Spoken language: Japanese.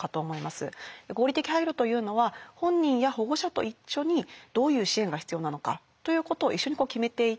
合理的配慮というのは本人や保護者と一緒にどういう支援が必要なのかということを一緒に決めていってその支援を実行していくことなんですけれども